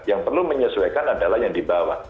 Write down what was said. yang perlu menyesuaikan adalah yang di bawah